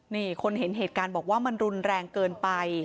นี่คนเห็นเหตุการณ์บอกว่ามันรุนแรงเกินไป